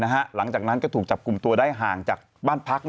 หลังจากนั้นก็ถูกจับกลุ่มตัวได้ห่างจากบ้านพัก